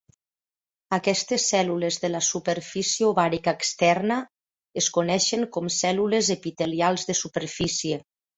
Aquestes cèl·lules de la superfície ovàrica externa es coneixen com cèl·lules epitelials de superfície.